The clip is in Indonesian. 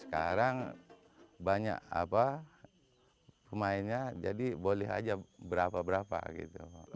sekarang banyak pemainnya jadi boleh aja berapa berapa gitu